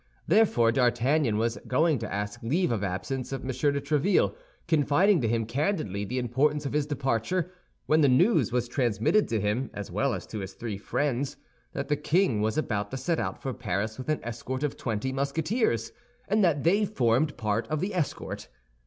Therefore D'Artagnan was going to ask leave of absence of M. de Tréville, confiding to him candidly the importance of his departure, when the news was transmitted to him as well as to his three friends that the king was about to set out for Paris with an escort of twenty Musketeers, and that they formed part of the escort.